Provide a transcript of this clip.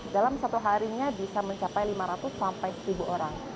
dalam satu harinya bisa mencapai lima ratus sampai seribu orang